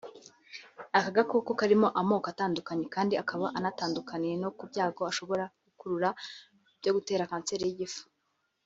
Aka gakoko karimo amoko atandukanye kandi akaba anatandukaniye no ku byago ashobora gukurura byo gutera kanseri y’igifu